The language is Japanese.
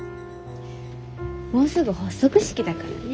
もうすぐ発足式だからね。